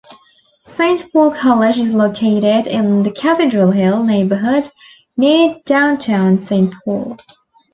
Saint Paul College is located in the Cathedral Hill neighborhood near downtown Saint Paul.